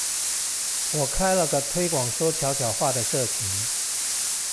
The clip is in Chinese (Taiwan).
我開了個推廣說悄悄話的社群